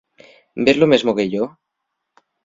¿Ves lo mesmo que yo?